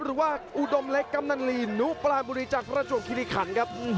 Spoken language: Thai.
หรือว่าอุดมเล็กกำนานลีนูปลาบูรีจากธรวจวมคิดิฆานครับ